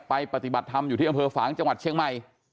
ปฏิบัติธรรมอยู่ที่อำเภอฝางจังหวัดเชียงใหม่